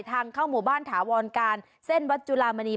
ทางเข้าหมู่บ้านถาวรการเส้นวัดจุลามณี